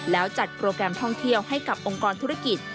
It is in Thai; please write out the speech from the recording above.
แล้วจัดโปรแกรมท่องเที่ยวให้กับองค์กรธุรกิจ